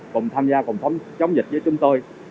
cùng tham gia phòng chống dịch với chúng tôi